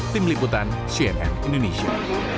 tim liputan cnn indonesia